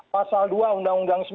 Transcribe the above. pasal dua undang undang sembilan puluh